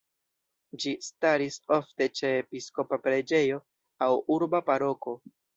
Ĝi staris ofte ĉe episkopa preĝejo aŭ urba paroko.